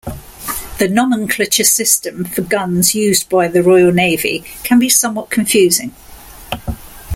The nomenclature system for guns used by the Royal Navy can be somewhat confusing.